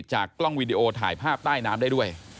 กล้องวีดีโอถ่ายภาพใต้น้ำได้ด้วย